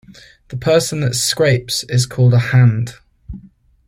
The person that scrapes is called a "hand".